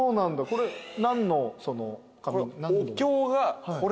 これ何のその紙。